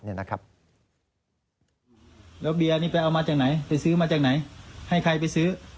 แล้วเบียร์นี้ไปเอามาจากไหนไปซื้อมาจากไหนให้ใครไปซื้อ